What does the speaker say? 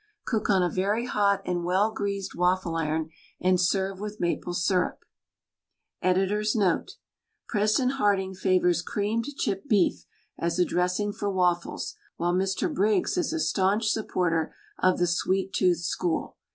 Cook on a very hot and well greased waffle iron and serve with maple syrup. Editor's Note :— President Harding favors creamed chipped beef as a dressing for waffles while Mr. Briggs is a staunch supporter of the sweet tooth school.